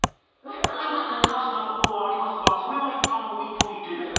［ちょっとおかしなところはありますがそれはいったん置いといて］